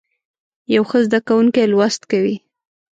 یو ښه زده کوونکی لوست کوي.